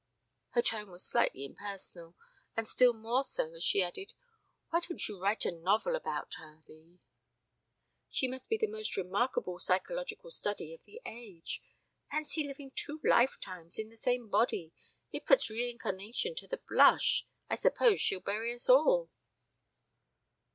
Her tone was lightly impersonal, and still more so as she added: "Why don't you write a novel about her, Lee? She must be the most remarkable psychological study of the age. Fancy living two lifetimes in the same body. It puts reincarnation to the blush. I suppose she'll bury us all."